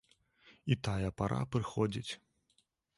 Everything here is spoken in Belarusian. І тая пара прыходзіць.